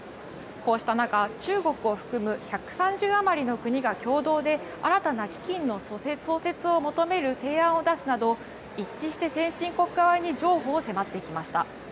こうした中、中国を含む１３０余りの国が共同で新たな基金の創設を求める提案を出すなど一致して先進国側に譲歩を迫ってきました。